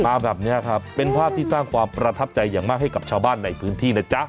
มาแบบนี้ครับเป็นภาพที่สร้างความประทับใจอย่างมากให้กับชาวบ้านในพื้นที่นะจ๊ะ